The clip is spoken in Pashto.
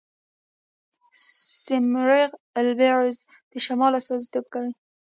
سیمرغ البرز د شمال استازیتوب کوي.